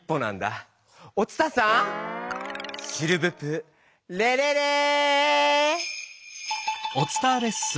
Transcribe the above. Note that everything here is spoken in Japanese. お伝さんシルブプレレレー！